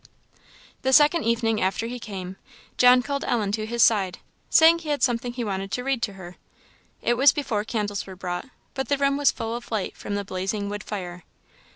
The second evening after he came, John called Ellen to his side, saying he had something he wanted to read to her. It was before candles were brought, but the room was full of light from the blazing wood fire.